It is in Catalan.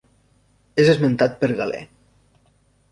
És esmentat per Galè.